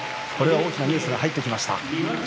大きなニュースが入ってきました。